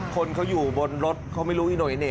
คนเขาอยู่บนรถเขาไม่รู้อีโนอิเน่